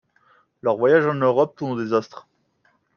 Leur voyage en Europe tourne au désastre.